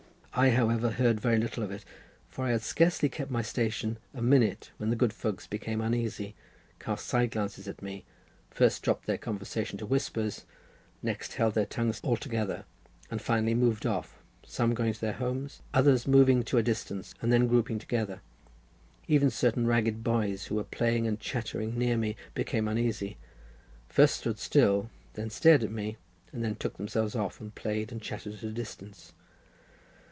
I, however, heard very little of it, for I had scarcely kept my station a minute when the good folks became uneasy, cast side glances at me, first dropped their conversation to whispers, next held their tongues altogether, and finally moved off, some going to their homes, others moving to a distance, and then grouping together—even certain ragged boys who were playing and chattering near me became uneasy, first stood still, then stared at me, and then took themselves off and played and chattered at a distance.